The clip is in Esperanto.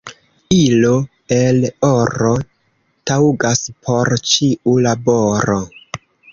Ilo el oro taŭgas por ĉiu laboro.